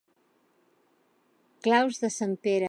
Claus de sant Pere.